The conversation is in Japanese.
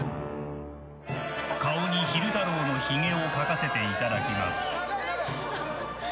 顔に昼太郎のひげを描かせていただきます。